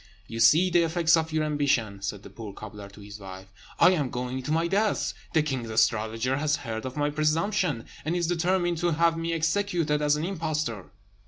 "You see the effects of your ambition," said the poor cobbler to his wife; "I am going to my death. The king's astrologer has heard of my presumption, and is determined to have me executed as an impostor."